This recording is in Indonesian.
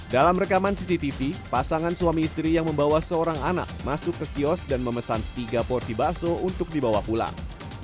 dalam rekaman cctv pasangan suami istri yang membawa seorang anak masuk ke kios dan memesan tiga porsi bakso untuk dibawa pulang